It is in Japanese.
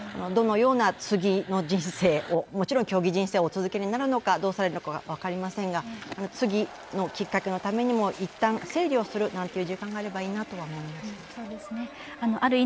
どのような次の人生を、もちろん競技人生をお続けになられるのかどうされるのかは分かりませんが次のきっかけのためにもいったん整理をする時間があればいいなと思いました。